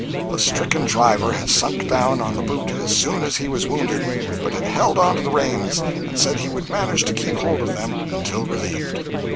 The stricken driver had sunk down on the boot as soon as he was wounded, but had held on to the reins and said he would manage to keep hold of them until relieved.